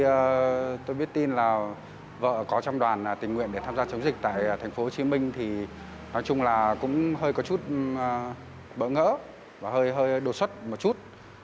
tôi biết tin là vợ có trong đoàn tình nguyện để tham gia chống dịch tại tp hcm thì nói chung là cũng hơi có chút bỡ ngỡ và hơi hơi đột xuất một chút